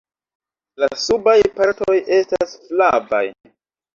La subaj partoj estas flavaj.